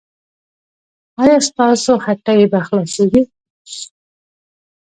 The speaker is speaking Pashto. ایا ستاسو هټۍ به خلاصیږي؟